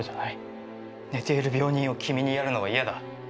寝ている病人を君に遣るのは厭だ。